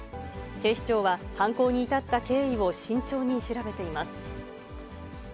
警視庁は、犯行に至った経緯を慎重に調べています。